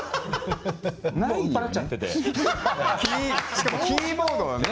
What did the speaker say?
しかもキーボードはね。